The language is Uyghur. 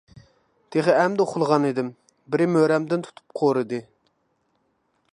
تېخى ئەمدى ئۇخلىغانىدىم، بىرى مۈرەمدىن تۇتۇپ قورۇدى.